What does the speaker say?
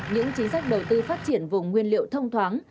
những chính sách đầu tư phát triển vùng nguyên liệu thông thoáng